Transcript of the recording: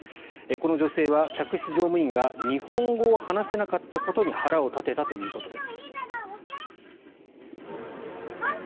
この女性は、客室乗務員が日本語を話せなかったことに腹を立てたということです。